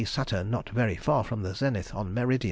Saturn not very far from the zenith on merid.)